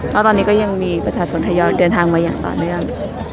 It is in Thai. แล้วตอนนี้ก็ยังมีประชาชนทยอยเดินทางมาอย่างต่อเนื่อง